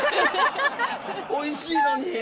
おいしいのに。